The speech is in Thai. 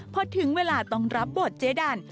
พอถึงเวลาต้องรับบทเจ๊ดัน